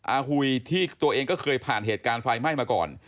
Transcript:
หุยที่ตัวเองก็เคยผ่านเหตุการณ์ไฟไหม้มาก่อน